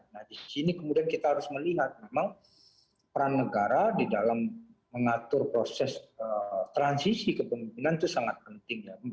nah di sini kemudian kita harus melihat memang peran negara di dalam mengatur proses transisi kepemimpinan itu sangat penting ya